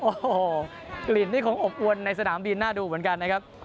โอ้โหกลิ่นนี่คงอบอวนในสนามบินน่าดูเหมือนกันนะครับ